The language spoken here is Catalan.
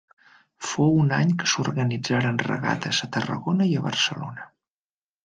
Fou un any que s'organitzaren regates a Tarragona i a Barcelona.